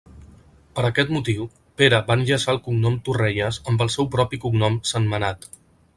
Per aquest motiu, Pere va enllaçar el cognom Torrelles amb el seu propi cognom Sentmenat.